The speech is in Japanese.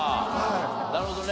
なるほどね。